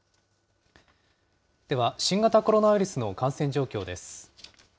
では、新型コロナウイルスの感染状況です。